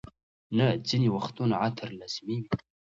نه، ځینې وختونه عطر لازمي وي.